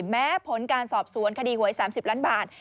แม้ผลการสอบสวนคดีหวย๓๐ล้านบาท